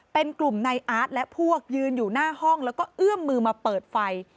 เป็นกลุ่มในอาร์ตและพวกยืนอยู่หน้าห้องแล้วก็เอื้อมมือมาเปิดไฟ